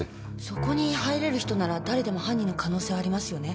そこに入れる人なら誰でも犯人の可能性ありますよね？